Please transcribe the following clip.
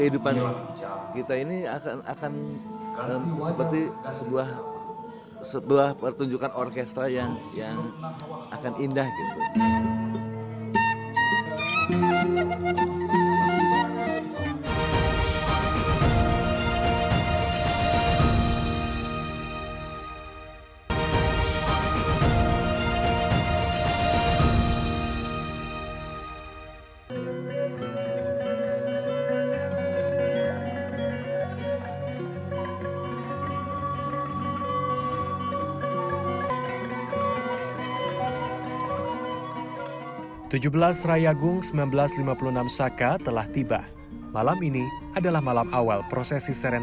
di daerah yang banyak emigra